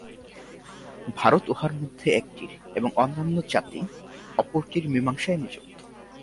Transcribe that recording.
ভারত উহার মধ্যে একটির এবং অন্যান্য জাতি অপরটির মীমাংসায় নিযুক্ত।